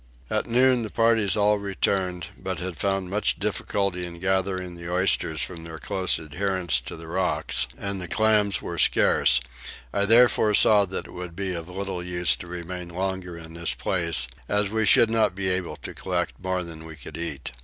At noon the parties were all returned but had found much difficulty in gathering the oysters from their close adherence to the rocks, and the clams were scarce: I therefore saw that it would be of little use to remain longer in this place, as we should not be able to collect more than we could eat.